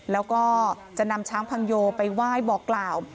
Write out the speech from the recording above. แล้วก็จะนำช้างพังโยไปไหว้บอกกล่าว